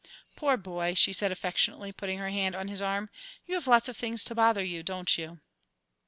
"Poor boy," she said affectionately, putting her hand on his arm, "you have lots of things to bother you, don't you?"